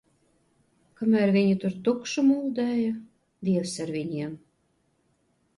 Kamēr viņi tur tukšu muldēja, Dievs ar viņiem!